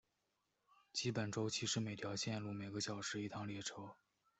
基本周期是每条线路每个小时一趟列车。